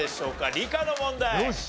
理科の問題。